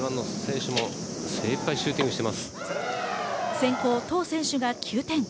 先攻、トウ選手が９点。